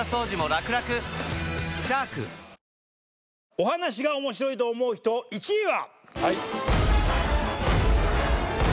お話が面白いと思う人１位は。